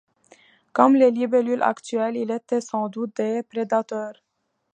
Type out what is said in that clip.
Comme les libellules actuelles, ils étaient sans doute des prédateurs.